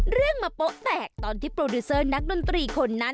เรื่องมาโป๊ะแตกตอนที่โปรดิวเซอร์นักดนตรีคนนั้น